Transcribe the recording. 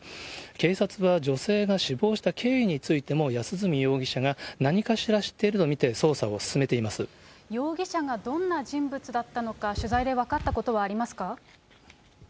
警察は女性が死亡した経緯についても、安栖容疑者が何かしら知っていると見て、容疑者がどんな人物だったのか、取材で分かったことはありますか？